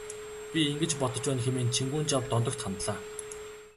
Би ингэж бодож байна хэмээн Чингүнжав Дондогт хандлаа.